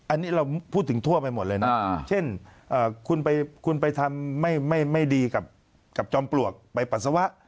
อันนี้เราพูดถึงทั่วไปหมดเลยนะเช่นคุณไปทำไม่ดีกับจอมปลวกไปปัสสาวะ